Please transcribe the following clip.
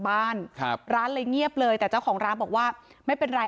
บ้านครับร้านเลยเงียบเลยแต่เจ้าของร้านบอกว่าไม่เป็นไร